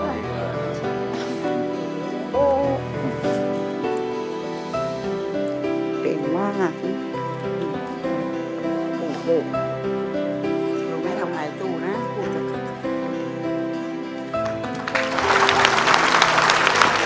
หอมไม่ทำให้ตัวนะ